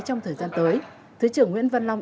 trong thời gian tới thứ trưởng nguyễn văn long